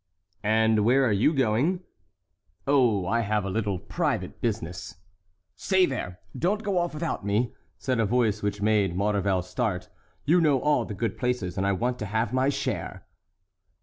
"And where are you going?" "Oh, I have a little private business." "Say, there! don't go off without me," said a voice which made Maurevel start, "you know all the good places and I want to have my share."